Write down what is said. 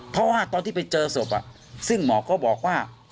เพราะว่าตอนที่ไปเจอศพซึ่งหมอก็บอกว่า